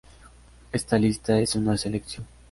Esta lista es una selección.